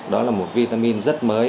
đó là một vitamin rất mới